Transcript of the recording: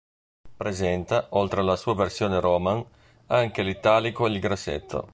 Presenta, oltre alla sua versione roman, anche l'italico e il grassetto.